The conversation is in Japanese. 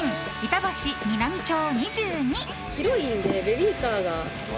板橋南町２２。